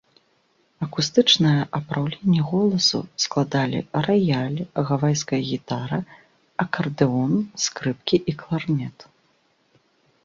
Акустычнае апраўленне голасу складалі раяль, гавайская гітара, акардэон, скрыпкі і кларнет.